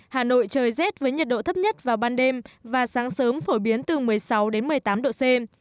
hà nội trời rét với nhiệt độ thấp nhất vào ban đêm và sáng sớm phổ biến từ một mươi sáu đến một mươi tám độ c